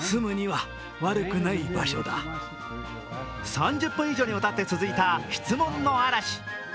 ３０分以上にわたって続いた質問の嵐。